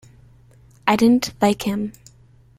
I didn't like him.